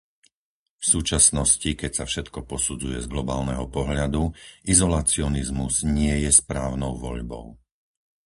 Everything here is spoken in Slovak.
V súčasnosti, keď sa všetko posudzuje z globálneho pohľadu, izolacionizmus nie je správnou voľbou.